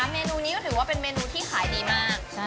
เมนูนี้ก็ถือว่าเป็นเมนูที่ขายดีมาก